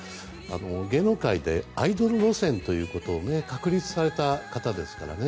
芸能界でアイドル路線ということを確立された方ですからね。